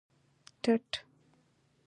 تت